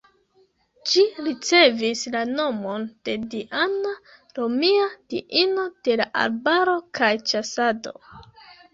Ĝi ricevis la nomon de Diana, romia diino de la arbaro kaj ĉasado.